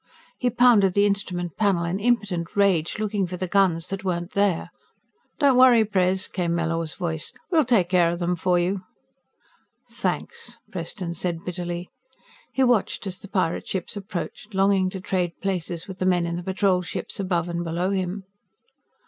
He pounded the instrument panel in impotent rage, looking for the guns that weren't there. "Don't worry, Pres," came Mellors' voice. "We'll take care of them for you." "Thanks," Preston said bitterly. He watched as the pirate ships approached, longing to trade places with the men in the Patrol ships above and below him.